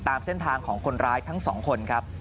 ตามเส้นทางของคนร้ายทั้งสองคนครับ